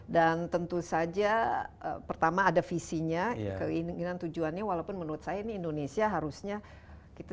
dan tentu saja pertama ada visinya keinginan tujuannya walaupun menurut saya ini indonesia harusnya